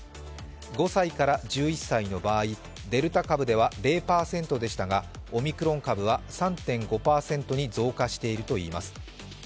５歳から１１歳の場合、デルタ株では０％でしたが、オミクロン株は３．５％に増加しているといいます。